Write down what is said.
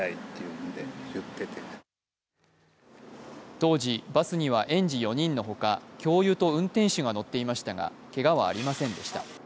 当時、バスには園児４人のほか教諭と運転手が乗っていましたがけがはありませんでした。